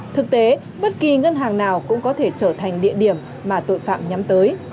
thực tế bất kỳ ngân hàng nào cũng có thể trở thành địa điểm mà tội phạm nhắm tới